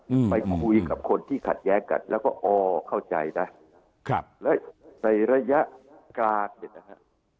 อืมไปคุยกับคนที่ขัดแย้งกันแล้วก็อ๋อเข้าใจนะครับแล้วในระยะกลางเนี่ยนะฮะ